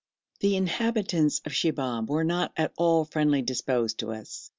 The inhabitants of Shibahm were not at all friendly disposed to us.